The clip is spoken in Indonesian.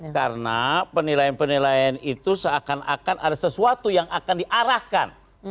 karena penilaian penilaian itu seakan akan ada sesuatu yang akan diarahkan